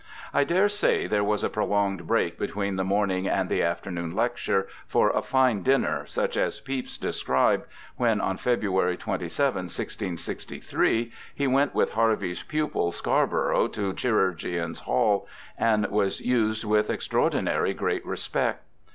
I dare say there was a prolonged break between the morning and the afternoon lecture ' for a fine dinner ', such as Pepys described, when, on February 27, 1663, he went with Harvey's pupil, Scarborough, to Chirurgeons' Hall and was used with ' extraordinary great respect